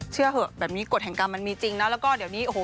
เชื่อเถอะแบบนี้กฎแห่งกรรมมันมีจริงนะแล้วก็เดี๋ยวนี้โอ้โห